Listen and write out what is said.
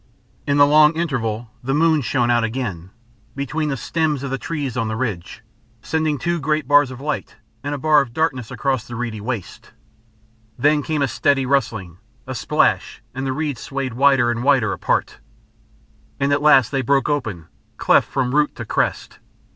In the long interval the moon shone out again, between the stems of the trees on the ridge, sending two great bars of light and a bar of darkness across the reedy waste. Then came a steady rustling, a splash, and the reeds swayed wider and wider apart. And at last they broke open, cleft from root to crest....